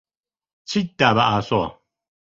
چیت دا بە ئاسۆ؟